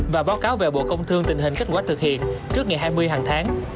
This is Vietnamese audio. và báo cáo về bộ công thương tình hình kết quả thực hiện trước ngày hai mươi hàng tháng